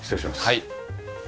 はい。